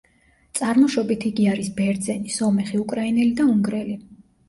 წარმოშობით იგი არის ბერძენი, სომეხი, უკრაინელი და უნგრელი.